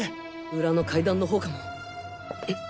裏の階段の方かも。